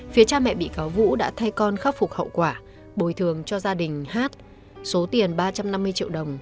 phía cha mẹ bị cáo vũ đã thay con khắc phục hậu quả bồi thường cho gia đình hát số tiền ba trăm năm mươi triệu đồng